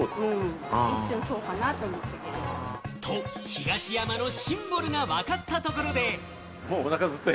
東山のシンボルがわかったところで。